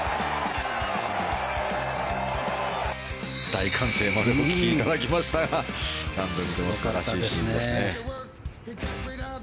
大歓声もお聞きいただきましたが何度見ても素晴らしいシーンですね。